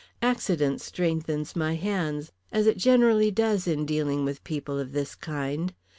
Accident strengthens my hands, as it generally does in dealing with people of this kind.